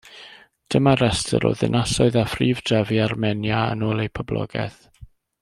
Dyma restr o ddinasoedd a phrif drefi Armenia yn ôl eu poblogaeth.